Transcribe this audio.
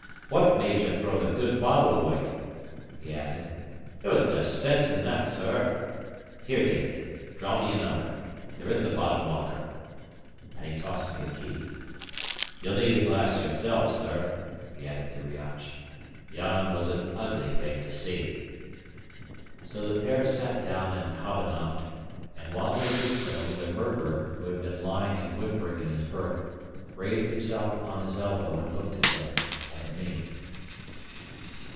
"What made ye throw the good bottle away?" he added. "There was nae sense in that, sir. Here, David, draw me another. They're in the bottom locker;" and he tossed me a key. "Ye'll need a glass yourself, sir," he added to Riach. "Yon was an ugly thing to see." So the pair sat down and hob a nobbed; and while they did so, the murderer, who had been lying and whimpering in his berth, raised himself upon his elbow and looked at them and at me.